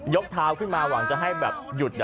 กเท้าขึ้นมาหวังจะให้แบบหยุด